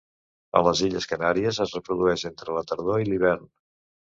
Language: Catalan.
A les illes Canàries es reprodueix entre la tardor i l'hivern.